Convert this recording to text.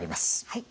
はい。